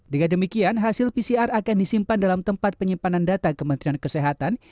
dengan demikian hasil pcr akan disimpan dalam tempat penyimpanan data kementerian kesehatan